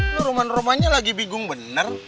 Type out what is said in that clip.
lu rumah rumahnya lagi bingung bener